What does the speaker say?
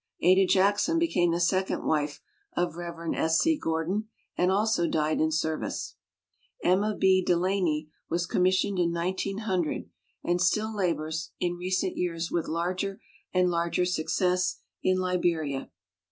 Ada Jackson became the second wife of Rev. S. C. Gordon and also died in service. Emma B. DeLany was commissioned in 1900 and still labors in recent years with larger and larger success in Liberia.